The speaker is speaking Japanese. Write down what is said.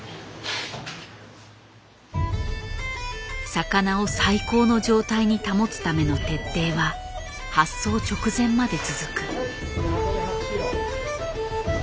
魚を最高の状態に保つための徹底は発送直前まで続く。